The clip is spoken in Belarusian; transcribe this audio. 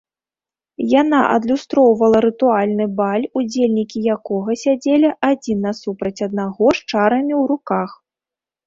Яна адлюстроўвала рытуальны баль, удзельнікі якога сядзелі адзін насупраць аднаго з чарамі ў руках.